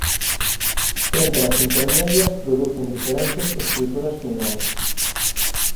Témperas intermedias producen diferentes estruturas finais.